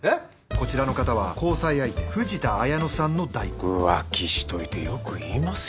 こちらの方は交際相手藤田綾乃さんの代行浮気しといてよく言いますよね。